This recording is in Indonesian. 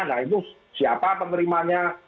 nah itu siapa penerimanya